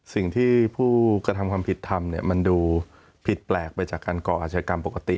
สิ่งที่ผู้กระทำความผิดทำเนี่ยมันดูผิดแปลกไปจากการก่ออาชกรรมปกติ